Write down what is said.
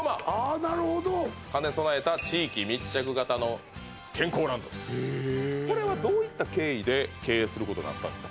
なるほど兼ね備えた地域密着型の健康ランドとへえこれはどういった経緯で経営することになったんですか？